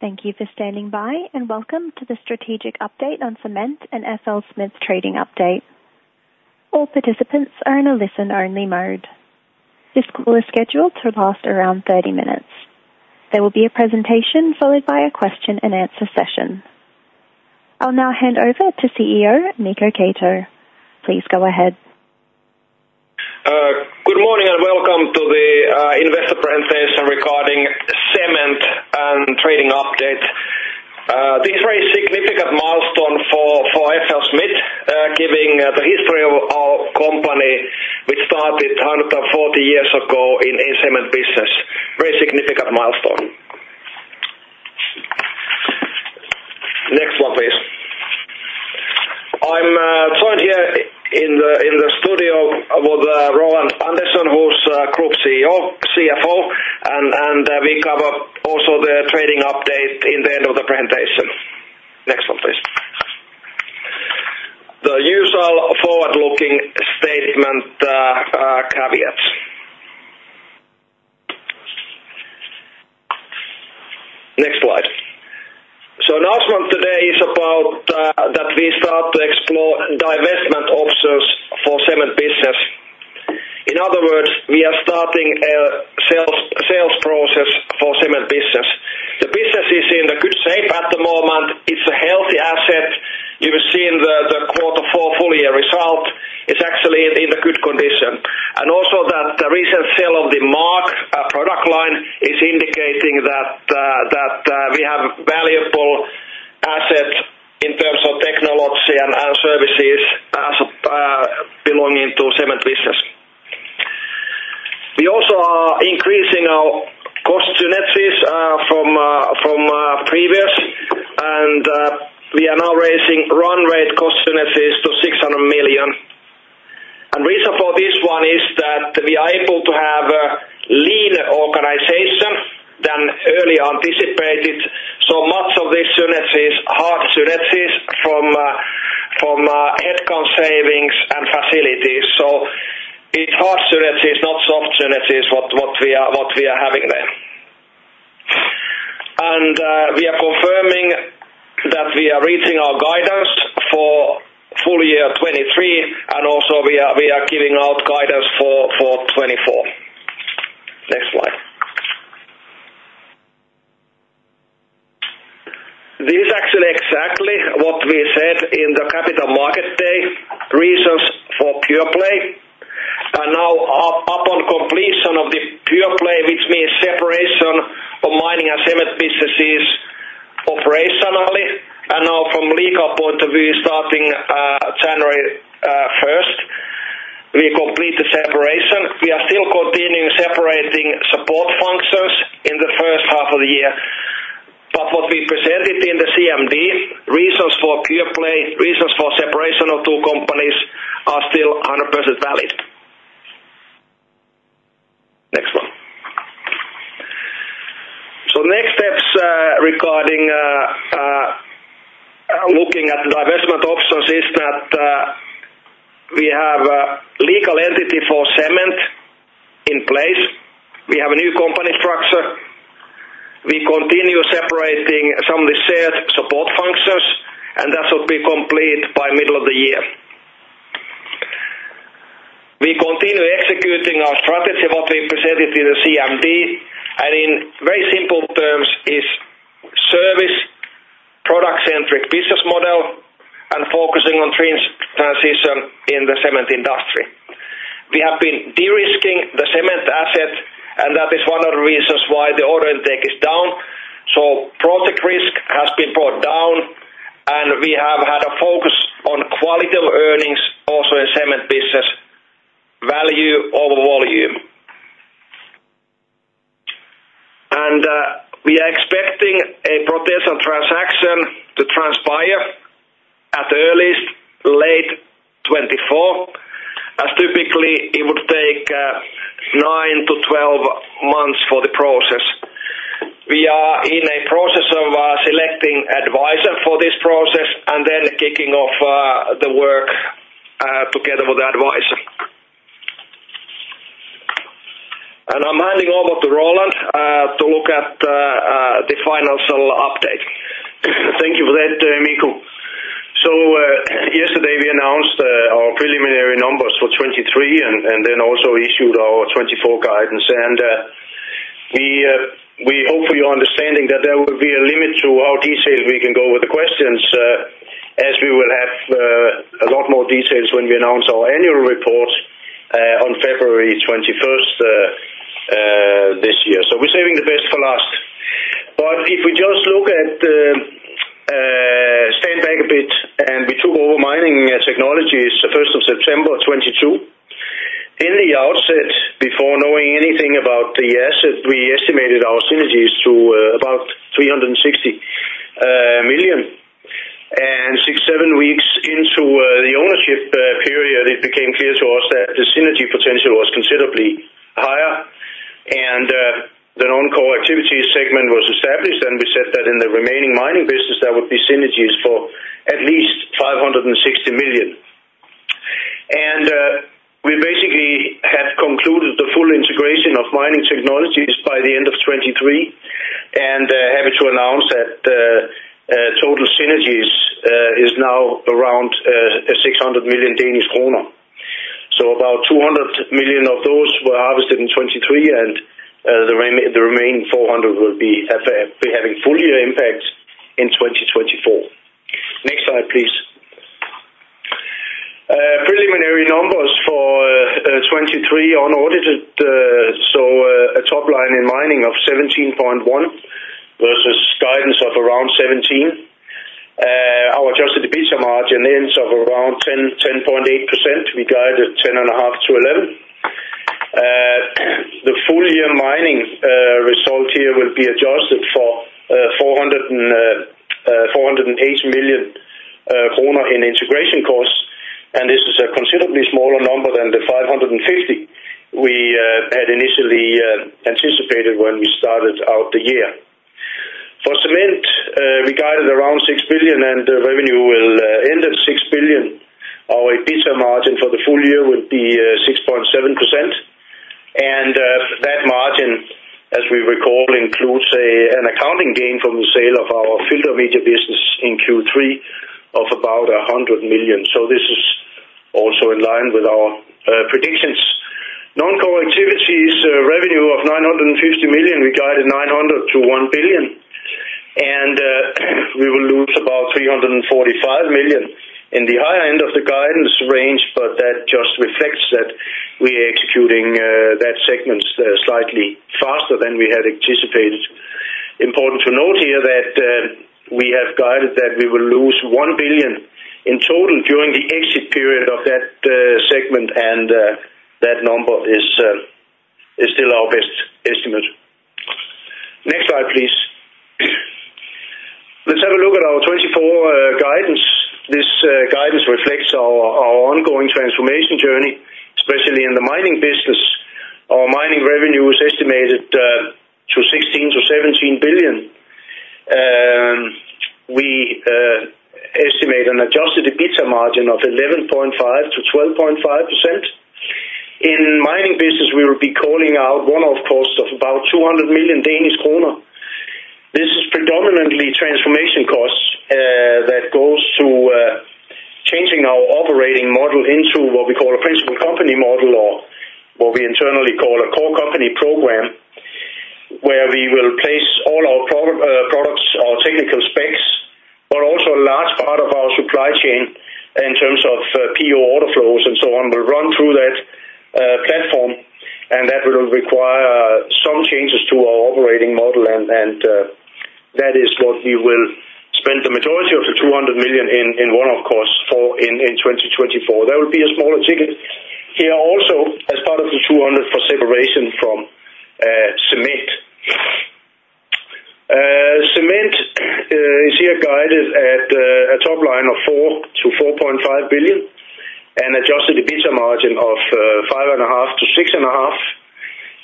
Thank you for standing by, and welcome to the strategic update on Cement and FLSmidth trading update. All participants are in a listen-only mode. This call is scheduled to last around 30 minutes. There will be a presentation, followed by a question-and-answer session. I'll now hand over to CEO, Mikko Keto. Please go ahead. Good morning, and welcome to the investor presentation regarding Cement and Trading Update. This is a very significant milestone for FLSmidth, giving the history of our company, which started 140 years ago in a cement business. Very significant milestone. Next slide, please. I'm joined here in the studio with Roland Andersen, who's our Group CFO, and we cover also the trading update in the end of the presentation. Next one, please. The usual forward-looking statement caveats. Next slide. So announcement today is about that we start to explore divestment options for cement business. In other words, we are starting a sales process for Cement business. The business is in a good shape at the moment. It's a healthy asset. You've seen the quarter four full-year result. It's actually in a good condition. Also that the recent sale of the MAAG product line is indicating that we have valuable assets in terms of technology and services as belonging to cement business. We also are increasing our cost synergies from previous, and we are now raising run rate cost synergies to 600 million. Reason for this one is that to be able to have a lean organization than early anticipated, so much of these synergies, hard synergies from head count savings and facilities. So it's hard synergies, not soft synergies, what we are having there. We are confirming that we are reaching our guidance for full-year 2023, and also we are giving out guidance for 2024. Next slide. This is actually exactly what we said in the Capital Markets Day, reasons for pure play. And now upon completion of the pure play, which means separation of mining and cement businesses operationally, and now from legal point of view, starting January 1st, we complete the separation. We are still continuing separating support functions in the first half of the year. But what we presented in the CMD, reasons for pure play, reasons for separation of two companies are still 100% valid. Next one. So next steps, regarding looking at divestment options is that, we have a legal entity for cement in place. We have a new company structure. We continue separating some of the shared support functions, and that will be complete by middle of the year. We continue executing our strategy, what we presented in the CMD, and in very simple terms is service, product-centric business model and focusing on trends, transition in the cement industry. We have been de-risking the cement asset, and that is one of the reasons why the order intake is down. So project risk has been brought down, and we have had a focus on quality of earnings also in cement business, value over volume. And, we are expecting a potential transaction to transpire at the earliest, late 2024, as typically it would take, nine to 12 months for the process. We are in a process of, selecting advisor for this process and then kicking off, the work, together with the advisor. And I'm handing over to Roland, to look at, the final sale update. Thank you for that, Mikko. So, yesterday, we announced our preliminary numbers for 2023 and then also issued our 2024 guidance. We hope for your understanding that there will be a limit to how detailed we can go with the questions, as we will have a lot more details when we announce our Annual Report on February 21st this year. So we're saving the best for last. But if we just look at the step back a bit, and we took over mining technologies, the first of September 2022. In the outset, before knowing anything about the asset, we estimated our synergies to about 360 million. Six or seven weeks into the ownership period, it became clear to us that the synergy potential was considerably higher, and the non-core activity segment was established, and we said that basically we have concluded the full integration of mining technologies by the end of 2023, and happy to announce that the total synergies is now around 600 million Danish kroner. So about 200 million of those were harvested in 2023, and the remaining 400 million will have full-year impact in 2024. Next slide, please. Preliminary numbers for 2023 on audited, so a top line in mining of 17.1 versus guidance of around 17. Our adjusted EBITDA margin ended at around 10, 10.8%. We guide at 10.5-11. The full-year mining result here will be adjusted for 408 million kroner in integration costs, and this is a considerably smaller number than the 550 we had initially anticipated when we started out the year. For cement, we guided around 6 billion, and the revenue will end at 6 billion. Our EBITDA margin for the full-year would be 6.7%. And that margin, as we recall, includes an accounting gain from the sale of our Filter Media business in Q3 of about 100 million. So this is also in line with our predictions. Non-core activities revenue of 950 million, we guided 900 million-1 billion, and we will lose about 345 million in the higher end of the guidance range, but that just reflects that we are executing that segment slightly faster than we had anticipated. Important to note here that we have guided that we will lose 1 billion in total during the exit period of that segment, and that number is still our best estimate. Next slide, please. Let's have a look at our 2024 guidance. This guidance reflects our ongoing transformation journey, especially in the mining business. Our mining revenue is estimated to 16 billion-17 billion. We estimate an adjusted EBITDA margin of 11.5%-12.5%. In Mining business, we will be calling out one-off costs of about 200 million Danish kroner. This is predominantly transformation costs that goes to changing our operating model into what we call a principal company model, or what we internally call a core company program, where we will place all our products, our technical specs, but also a large part of our supply chain in terms of PO order flows and so on, will run through that platform, and that will require some changes to our operating model, and that is what we will spend the majority of the 200 million in one-off costs for in 2024. There will be a smaller ticket here also as part of the DKK 200 million for separation from cement. Cement is guided at a top line of 4 billion-4.5 billion and adjusted EBITDA margin of 5.5%-6.5%.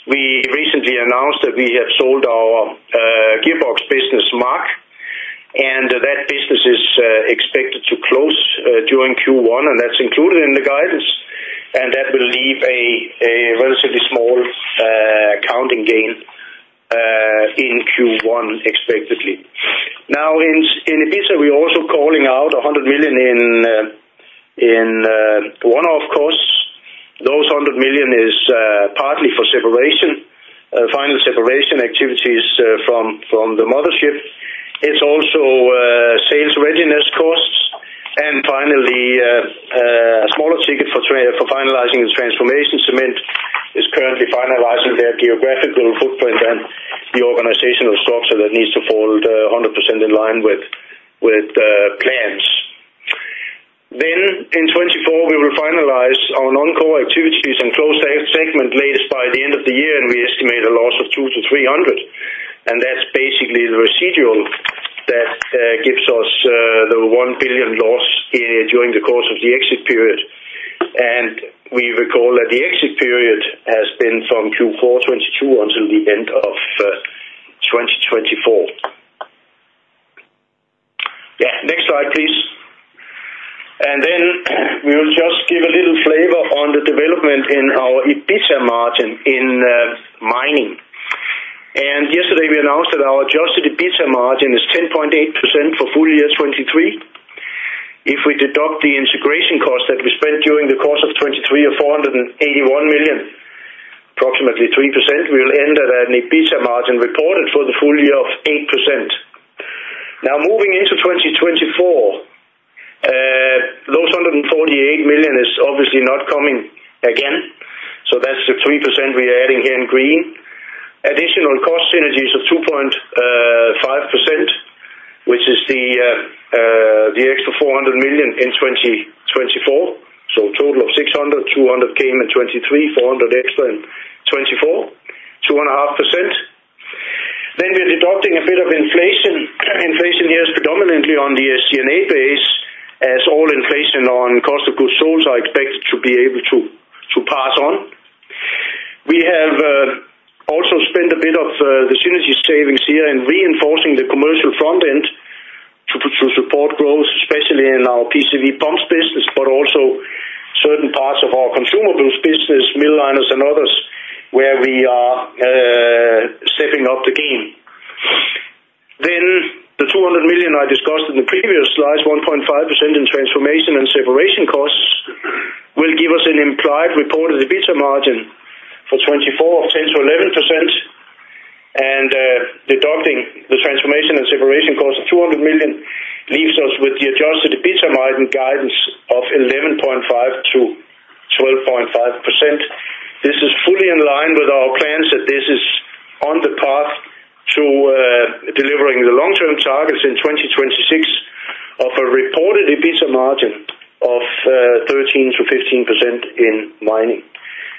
We recently announced that we have sold our gearbox business, MAAG, and that business is expected to close during Q1, and that's included in the guidance, and that will leave a relatively small accounting gain in Q1, expectedly. Now, in EBITDA, we're also calling out 100 million in one-off costs. Those 100 million is partly for final separation activities from the mothership. It's also sales readiness costs, and finally a smaller ticket for finalizing the transformation. Cement is currently finalizing their geographical footprint and the organizational structure that needs to fall 100% in line with plans. Then in 2024, we will finalize our non-core activities and close the segment latest by the end of the year, and we estimate a loss of 200 million-300 million, and that's basically the residual that gives us the 1 billion loss during the course of the exit period. We recall that the exit period has been from Q4 2022 until the end of 2024. Yeah. Next slide, please. Then we will just give a little flavor on the development in our EBITDA margin in mining. And yesterday, we announced that our adjusted EBITDA margin is 10.8% for full-year 2023. If we deduct the integration costs that we spent during the course of 2023 of 481 million, approximately 3%, we will end at an EBITDA margin reported for the full-year of 8%. Now, moving into 2024, those 148 million is obviously not coming again, so that's the 3% we are adding here in green. Additional cost synergies of 2.5%, which is the extra 400 million in 2024, so a total of 600 million, 200 million came in 2023, 400 million extra in 2024, 2.5%. Then we're deducting a bit of inflation. Inflation here is predominantly on the SG&A base, as all inflation on cost of goods sold are expected to be able to pass on. We have also spent a bit of the synergy savings here in especially in our PCV pumps business, but also certain parts of our consumables business, mill liners and others, where we are stepping up the game. Then the 200 million I discussed in the previous slide, 1.5% in transformation and separation costs, will give us an implied reported EBITDA margin for 2024 of 10%-11%. And deducting the transformation and separation cost of 200 million leaves us with the adjusted EBITDA margin guidance of 11.5%-12.5%. This is fully in line with our plans, that this is on the path to delivering the long-term targets in 2026, of a reported EBITDA margin of 13%-15% in mining.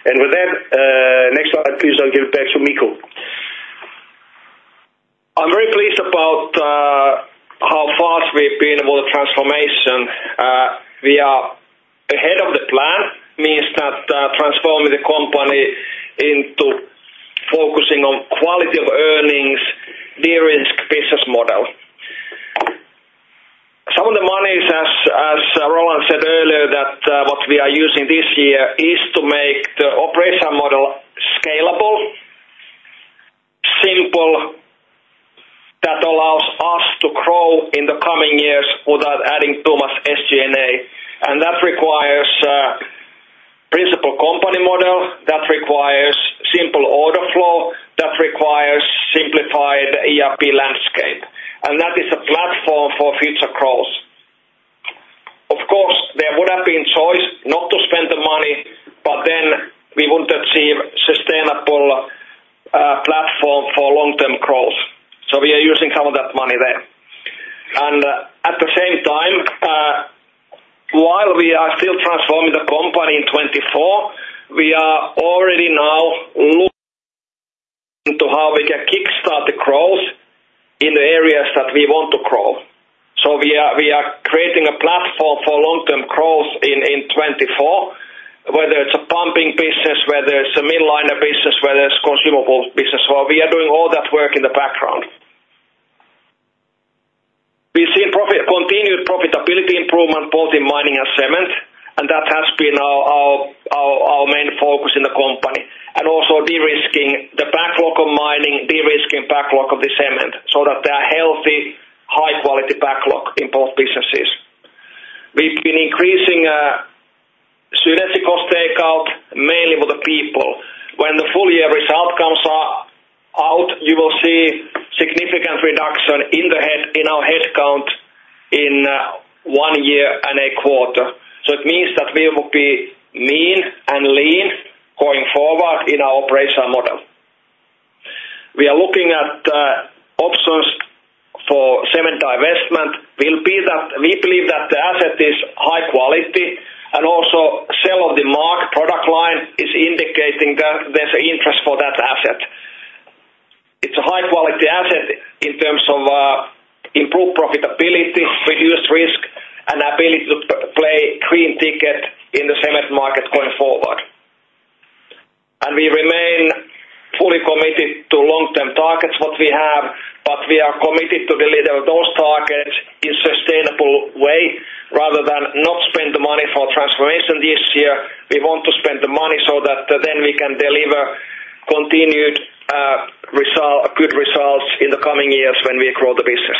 And with that, next slide, please. I'll give it back to Mikko. I'm very pleased about how fast we've been about the transformation. We are ahead of the plan, means that transforming the company into focusing on quality of earnings, de-risk business model. Some of the monies, as, as Roland said earlier, that what we are using this year is to make the operation model scalable, simple, that allows us to grow in the coming years without adding too much SG&A. And that requires Principal company model, that requires simple order flow, that requires simplified ERP landscape, and that is a platform for future growth. Of course, there would have been choice not to spend the money, but then we wouldn't achieve sustainable platform for long-term growth. So we are using some of that money there. At the same time, while we are still transforming the company in 2024, we are already now looking into how we can kickstart the growth in the areas that we want to grow. So we are creating a platform for long-term growth in 2024, whether it's a pumping business, whether it's a mill liner business, whether it's consumables business. So we are doing all that work in the background. We've seen continued profitability improvement, both in Mining and Cement, and that has been our main focus in the company. Also de-risking the backlog of Mining, de-risking backlog of the Cement so that they're healthy, high quality backlog in both businesses. We've been increasing strategic cost takeout, mainly with the people. When the full-year result comes out, you will see significant reduction in the head, in our headcount in one year and a quarter. So it means that we will be mean and lean going forward in our operational model. We are looking at options for Cement divestment. We believe that, we believe that the asset is high quality, and also sale of the MAAG product line is indicating that there's interest for that asset. It's a high quality asset in terms of improved profitability, reduced risk, and ability to pure play clean ticket in the Cement market going forward. And we remain fully committed to long-term targets that we have, but we are committed to deliver those targets in sustainable way. Rather than not spend the money for transformation this year, we want to spend the money so that then we can deliver continued good results in the coming years when we grow the business.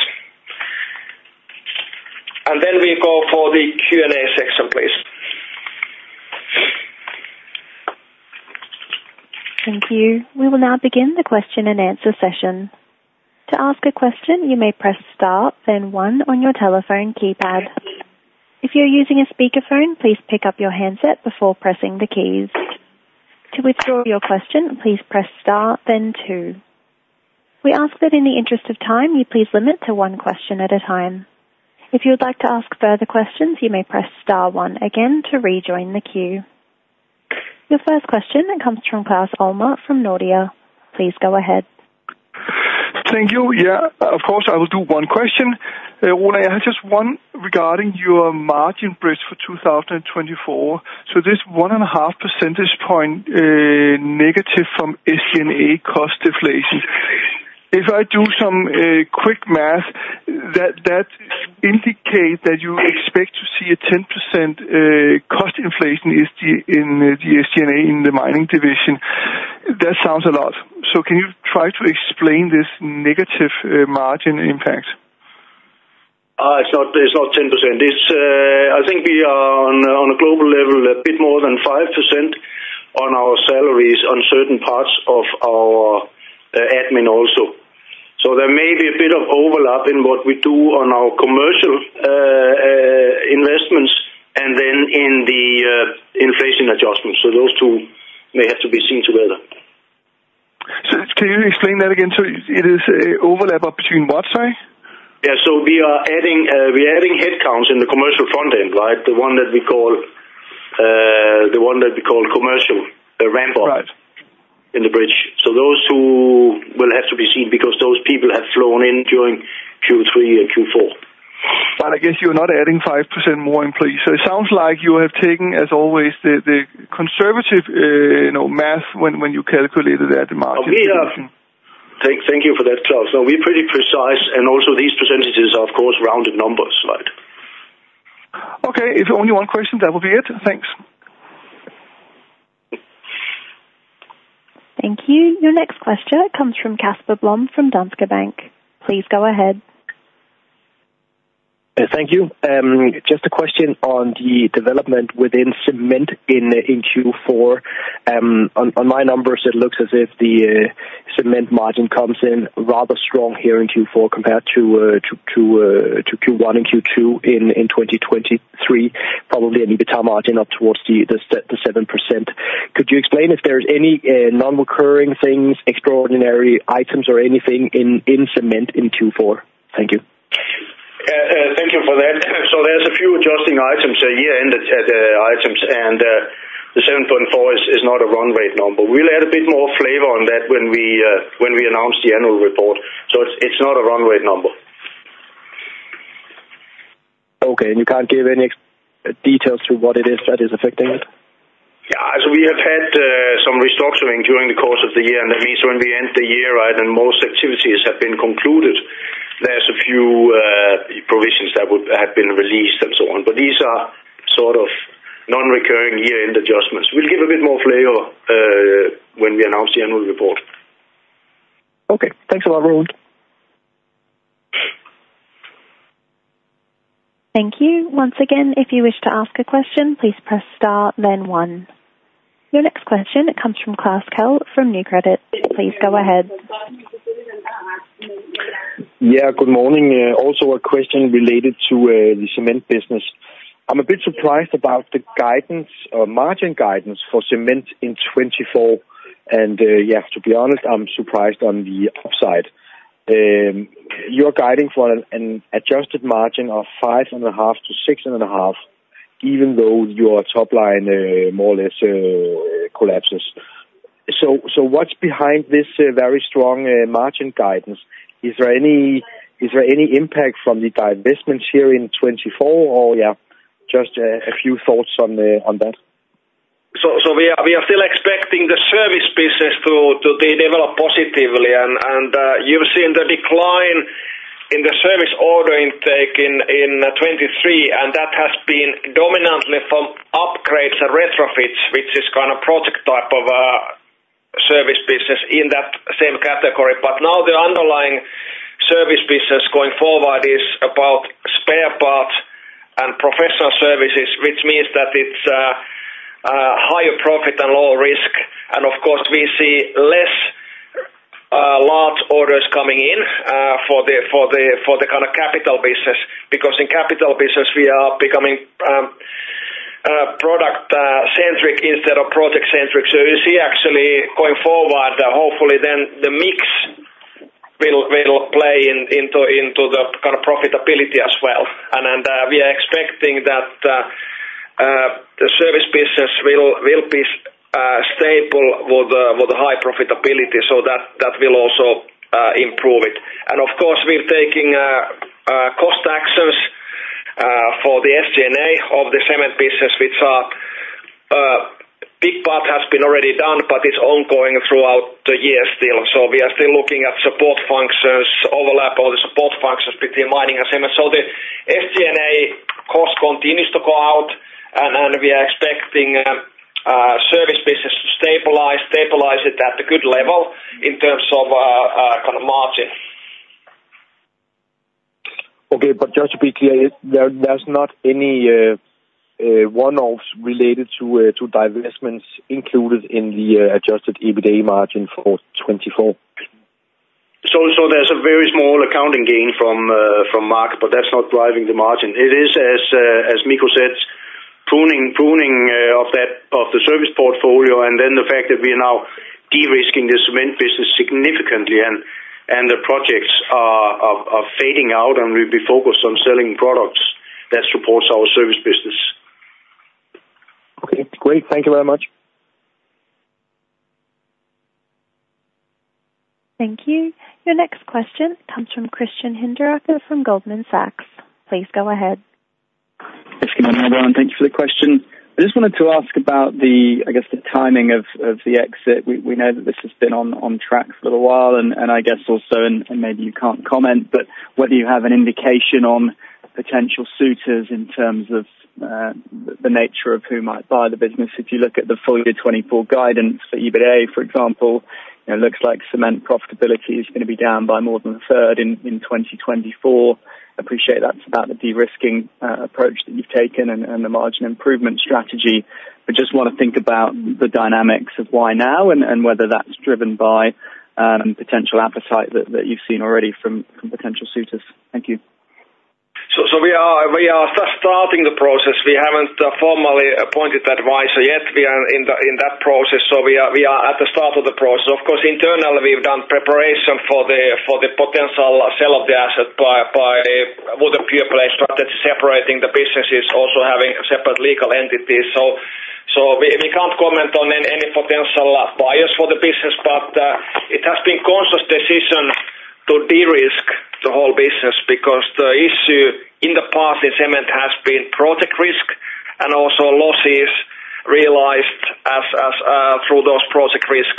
Then we go for the Q&A section, please. Thank you. We will now begin the question and answer session. To ask a question, you may press Star, then one on your telephone keypad. If you're using a speakerphone, please pick up your handset before pressing the keys. To withdraw your question, please press Star then two. We ask that in the interest of time, you please limit to one question at a time. If you would like to ask further questions, you may press Star one again to rejoin the queue. Your first question comes from Claus Almer, from Nordea. Please go ahead. Thank you. Yeah, of course, I will do one question. I have just one regarding your margin bridge for 2024. So this 1.5% point negative from SG&A cost deflation. If I do some quick math, that indicates that you expect to see a 10% cost inflation in the SG&A in the mining division. That sounds a lot. So can you try to explain this negative margin impact? It's not, it's not 10%. It's, I think we are on, on a global level, a bit more than 5% on our salaries, on certain parts of our, admin also. So there may be a bit of overlap in what we do on our commercial, investments and then in the, inflation adjustment. So those two may have to be seen together. So can you explain that again? So it is an overlap between what? Sorry? Yeah, so we are adding, we are adding headcounts in the commercial front end, right? The one that we call, the one that we call commercial, the ramp up- Right. In the bridge. Those two will have to be seen because those people have flown in during Q3 and Q4. I guess you're not adding 5% more employees. It sounds like you have taken, as always, conservative, you know, math when you calculated that, the margin? Thank you for that, Claus. So we're pretty precise, and also these percentages are, of course, rounded numbers, right? Okay, it's only one question. That will be it. Thanks. Thank you. Your next question comes from Casper Blom, from Danske Bank. Please go ahead. Thank you. Just a question on the development within cement in Q4. On my numbers, it looks as if the Cement margin comes in rather strong here in Q4 compared to Q1 and Q2 in 2023, probably an EBITDA margin up towards the 7%. Could you explain if there's any non-recurring things, extraordinary items or anything in cement in Q4? Thank you. Thank you for that. So there's a few adjusting items, year-end items, and the 7.4 is not a run rate number. We'll add a bit more flavor on that when we announce the annual report. So it's not a run rate number. Okay, and you can't give any details to what it is that is affecting it? Yeah, so we have had some restructuring during the course of the year, and that means when we end the year, right, and most activities have been concluded, there's a few provisions that would have been released and so on. But these are sort of non-recurring year-end adjustments. We'll give a bit more flavor when we announce the annual report. Okay. Thanks a lot, Roland. Thank you. Once again, if you wish to ask a question, please press Star, then One. Your next question comes from Klaus Kehl from Nykredit. Please go ahead. Yeah, good morning. Also a question related to the Cement business. I'm a bit surprised about the guidance or margin guidance for cement in 2024, and yeah, to be honest, I'm surprised on the upside. You're guiding for an adjusted margin of 5.5%-6.5%, even though your top line more or less collapses. So what's behind this very strong margin guidance? Is there any impact from the divestments here in 2024, or yeah, just a few thoughts on that. So we are still expecting the Service business to develop positively, and you've seen the decline in the service order intake in 2023, and that has been predominantly from upgrades and retrofits, which is kind of project type of Service business in that same category. But now the underlying Service business going forward is about spare parts and professional services, which means that it's higher profit and lower risk. And of course, we see less large orders coming in for the kind of capital business, because in capital business, we are becoming product centric instead of project centric. So you see actually going forward, hopefully then the mix will play into the kind of profitability as well. We are expecting that the service business will be stable with a high profitability, so that will also improve it. And of course, we're taking cost actions for the SG&A of the cement business, which a big part has been already done, but it's ongoing throughout the year still. So we are still looking at support functions, overlap all the support functions between mining and cement. So the SG&A cost continues to go out, and we are expecting service business to stabilize it at a good level in terms of kind of margin. Okay, but just to be clear, there's not any one-offs related to divestments included in the adjusted EBITDA margin for 2024? So there's a very small accounting gain from market, but that's not driving the margin. It is, as Mikko said, pruning of that service portfolio, and then the fact that we are now de-risking the cement business significantly, and the projects are fading out, and we'll be focused on selling products that supports our service business. Okay, great. Thank you very much. Thank you. Your next question comes from Christian Hinderaker from Goldman Sachs. Please go ahead. Good morning, everyone, thank you for the question. I just wanted to ask about, I guess, the timing of the exit. We know that this has been on track for a while, and I guess also, maybe you can't comment, but whether you have an indication on potential suitors in terms of the nature of who might buy the business. If you look at the full-year 2024 guidance for EBITDA, for example, it looks like cement profitability is gonna be down by more than a third in 2024. Appreciate that's about the de-risking approach that you've taken and the margin improvement strategy. I just wanna think about the dynamics of why now and whether that's driven by potential appetite that you've seen already from potential suitors. Thank you. So we are just starting the process. We haven't formally appointed the advisor yet. We are in that process, so we are at the start of the process. Of course, internally, we've done preparation for the potential sale of the asset with a pure play, started separating the businesses, also having separate legal entities. So we can't comment on any potential buyers for the business, but business, because the issue in the past in Cement has been project risk and also losses realized as through those project risk.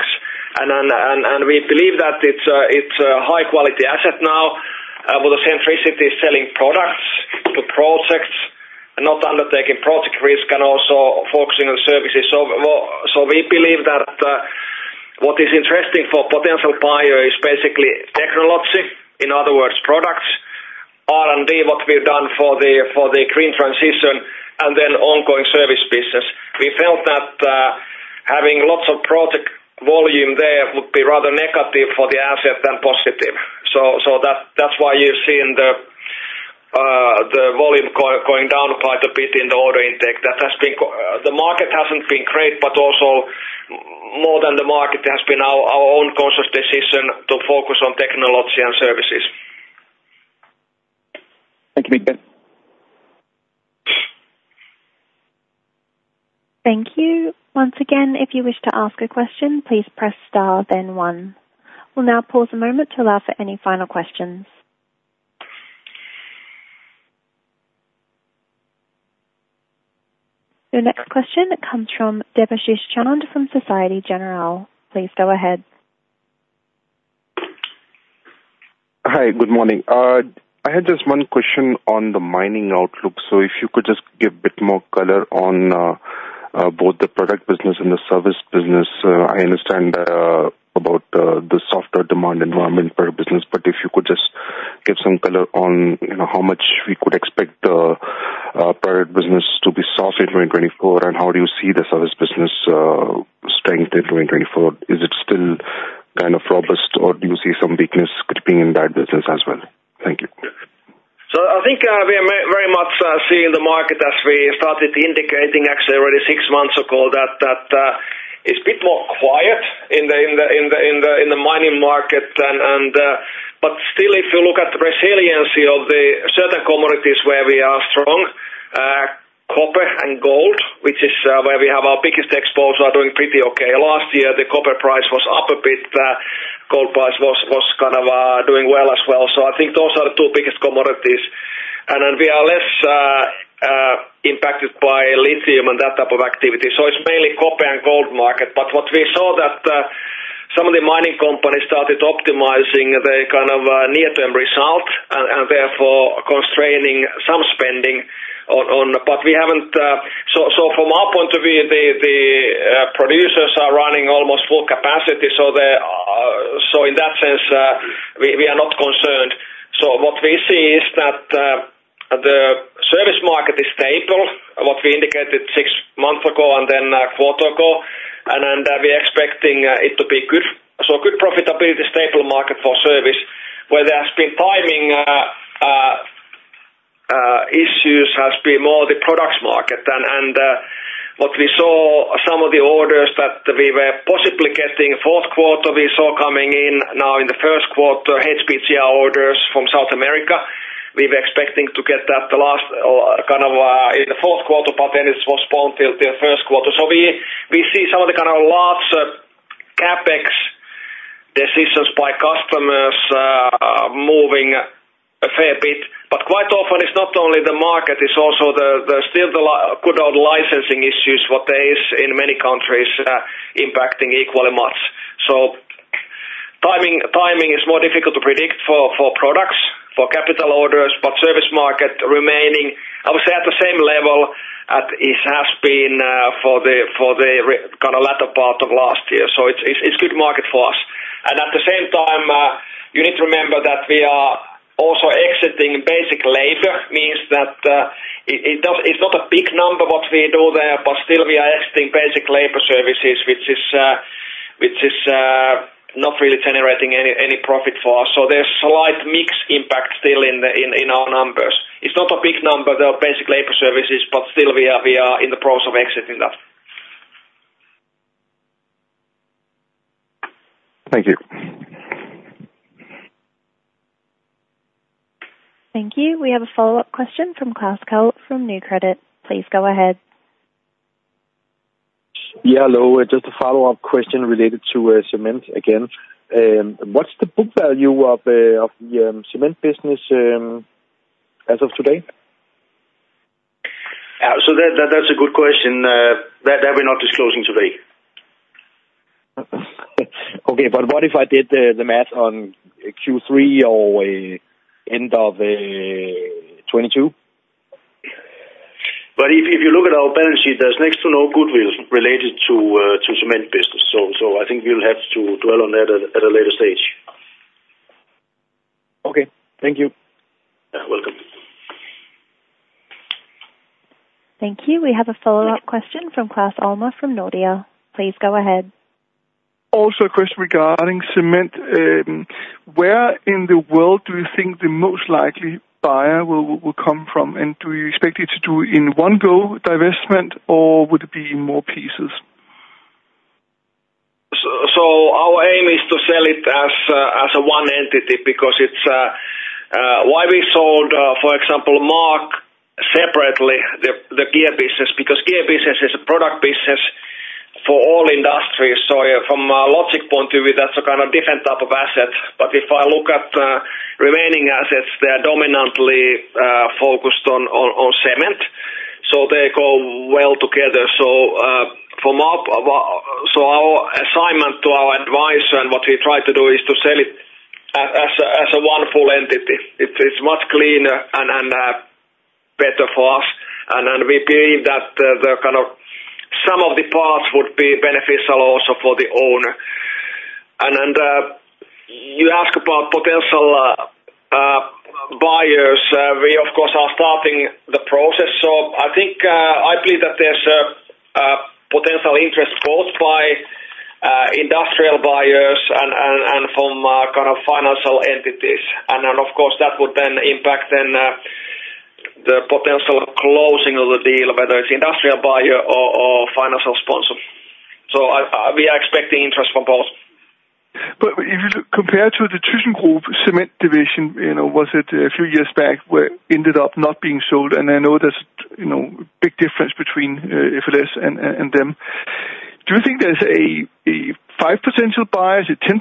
And then we believe that it's a high-quality asset now, with the centricity selling products to projects and not undertaking project risk and also focusing on services. Well, we believe that what is interesting for potential buyer is basically technology, in other words, products, R&D, what we've done for the green transition, and then ongoing service business. We felt that having lots of project volume there would be rather negative for the asset than positive. So that's why you're seeing the volume going down quite a bit in the order intake. That has been. The market hasn't been great, but also more than the market, it has been our own conscious decision to focus on technology and services. Thank you very much. Thank you. Once again, if you wish to ask a question, please press Star, then one. We'll now pause a moment to allow for any final questions. The next question comes from Debashish Chand from Société Générale. Please go ahead. Hi, good morning. I had just one question on the Mining outlook. So if you could just give a bit more color on both the product business and the service business. I understand about the softer demand environment for business, but if you could just give some color on, you know, how much we could expect product business to be soft in 2024, and how do you see the service business strength in 2024? Is it still kind of robust, or do you see some weakness could be in that business as well? Thank you. So I think, we are very much seeing the market as we started indicating actually already six months ago, that it's a bit more quiet in the mining market. But still, if you look at the resiliency of the certain commodities where we are strong, copper and gold, which is where we have our biggest exports, are doing pretty okay. Last year, the copper price was up a bit. Gold price was kind of doing well as well. So I think those are the two biggest commodities. And then we are less impacted by lithium and that type of activity. So it's mainly copper and gold market. But what we saw that some of the mining companies started optimizing the kind of near-term result and therefore constraining some spending on. But we haven't. So from our point of view, the producers are running almost full capacity, so they so in that sense we are not concerned. So what we see is that the service market is stable, what we indicated six months ago and then a quarter ago, and then we're expecting it to be good. So good profitability, stable market for service, where there has been timing issues, has been more the products market. And what we saw, some of the orders that we were possibly getting fourth quarter, we saw coming in now in the first quarter, HPGR orders from South America. We were expecting to get that the last kind of in the fourth quarter, but then it was postponed till first quarter. So we see some of the kind of large CapEx decisions by customers moving a fair bit. But quite often it's not only the market, it's also the still the good old licensing issues, what there is in many countries, impacting equally much. So timing is more difficult to predict for products, for capital orders, but service market remaining, I would say, at the same level as it has been for the kind of latter part of last year. So it's good market for us. And at the same time, you need to remember that we are also exiting basic labor, means that, it's not a big number, what we do there, but still we are exiting basic labor services, which is not really generating any profit for us. So there's slight mix impact still in our numbers. It's not a big number, they are basic labor services, but still we are in the process of exiting that. Thank you. Thank you. We have a follow-up question from Klaus Kehl from Nykredit. Please go ahead. Yeah, hello. Just a follow-up question related to, cement again. What's the book value of, of the, cement business, as of today? So that's a good question. That we're not disclosing today. Okay, but what if I did the math on Q3 or end of 2022? But if you look at our balance sheet, there's next to no goodwill related to cement business. So I think we'll have to dwell on that at a later stage. Okay. Thank you. You're welcome. Thank you. We have a follow-up question from Claus Almer from Nordea. Please go ahead. Also a question regarding Cement. Where in the world do you think the most likely buyer will come from? And do you expect it to do in one go divestment, or would it be in more pieces? So our aim is to sell it as a one entity, because it's. Why we sold, for example, for all industries. So from a logic point of view, that's a kind of different type of asset. But if I look at remaining assets, they are dominantly focused on cement, so they go well together. So from up, our assignment to our advisor and what we try to do is to sell it as a one full entity. It's much cleaner and better for us. And you ask about potential buyers. We, of course, are starting the process. So I think, I believe that there's a potential interest both by industrial buyers and from kind of financial entities. And then, of course, that would then impact the potential closing of the deal, whether it's industrial buyer or financial sponsor. So I, we are expecting interest from both. But if you compare to the thyssenkrupp Cement division, you know, was it a few years back, where ended up not being sold, and I know there's, you know, big difference between, FLS and, and them. Do you think there's a, a five potential buyers, a 10%,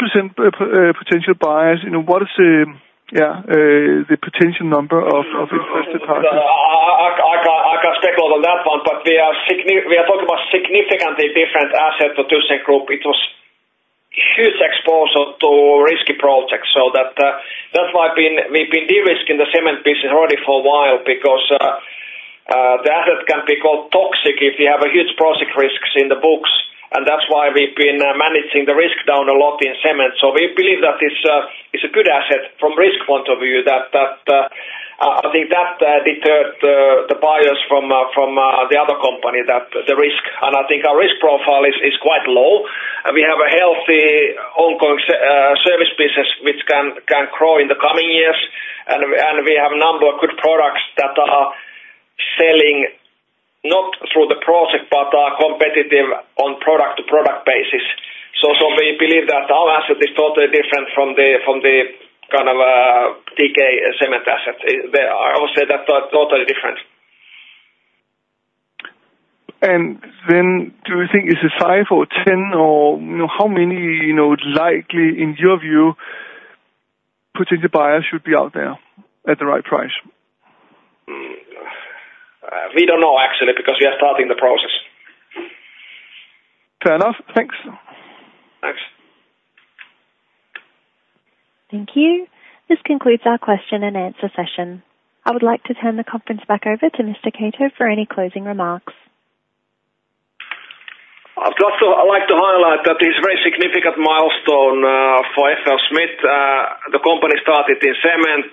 potential buyers? You know, what is the, yeah, the potential number of, of interested parties? I can't speculate on that one, but we are talking about a significantly different asset to thyssenkrupp. It was huge exposure to risky projects, so that's why we've been de-risking the cement business already for a while because the asset can be called toxic if you have a huge project risks in the books. And that's why we've been managing the risk down a lot in cement. So we believe that this is a good asset from risk point of view, that I think that deterred the buyers from the other company, that the risk. And I think our risk profile is quite low, and we have a healthy ongoing service business which can grow in the coming years. We have a number of good products that are selling not through the project, but are competitive on product-to-product basis. We believe that our asset is totally different from the kind of TK Cement asset. They are, I would say that are totally different. And then do you think it's a 5 or 10 or, you know, how many, you know, likely, in your view, potential buyers should be out there at the right price? We don't know actually, because we are starting the process. Fair enough. Thanks. Thanks. Thank you. This concludes our question and answer session. I would like to turn the conference back over to Mr. Keto for any closing remarks. I'd also like to highlight that this is a very significant milestone for FLSmidth. The company started in cement,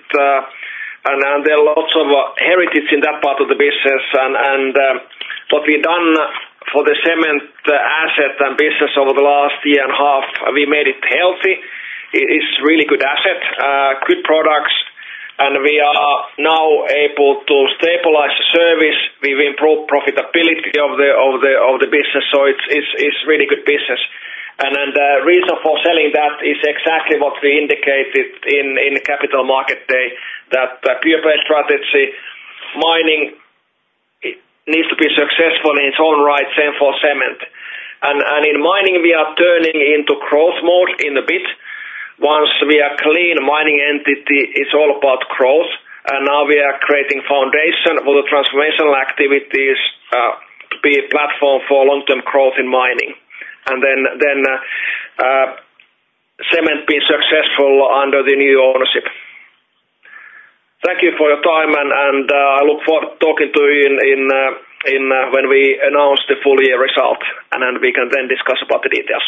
and there are lots of heritage in that part of the business. What we've done for the Cement asset and business over the last year and a half, we made it healthy. It is really good asset, good products, and we are now able to stabilize the service. We've improved profitability of the business, so it's really good business. And then the reason for selling that is exactly what we indicated in the Capital Market Day, that the peer-based strategy, mining needs to be successful in its own right, same for cement. In mining, we are turning into growth mode in a bit. Once we are clean, mining entity is all about growth, and now we are creating foundation for the transformational activities to be a platform for long-term growth in Mining. And then, cement be successful under the new ownership. Thank you for your time, and I look forward to talking to you when we announce the full-year results, and then we can discuss about the details.